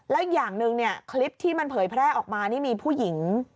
แล้วอย่างหนึ่งเนี่ยคลิปที่มันเผยแพร่ออกมานี่มีผู้หญิง